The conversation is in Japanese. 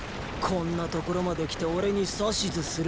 こんな所まで来て俺に指図するな。